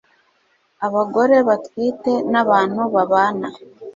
abagore batwite na bantu babana